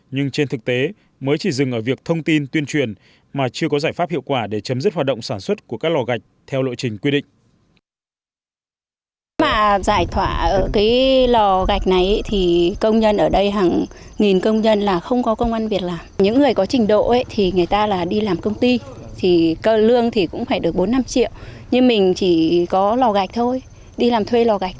nhưng trên thực tế mới chỉ dừng ở việc thông tin tuyên truyền mà chưa có giải pháp hiệu quả để chấm dứt hoạt động sản xuất của các lò gạch theo lộ trình quy định